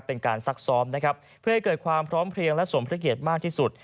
เป็นการซักซ้อมเพื่อให้เกิดความพร้อมเพลียงและสมพระเกียจมากที่สุด